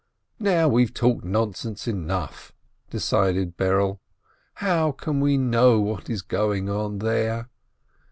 "Now we've talked nonsense enough !" decided Berele. "How can we know what is going on there